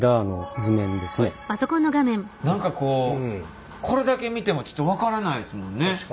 何かこうこれだけ見てもちょっと分からないですもんね。